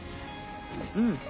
うん。